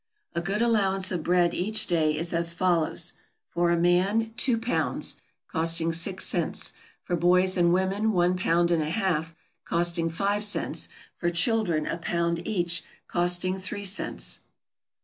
A good allowance of bread each day is as follows: for a man two pounds, costing six cents; for boys and women one pound and a half, costing five cents; for children a pound each, costing three cents.